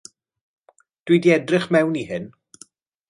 Dw i 'di edrych mewn i hyn.